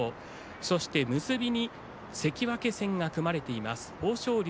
そして結びに関脇戦が組まれています。